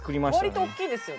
わりと大きいですよね。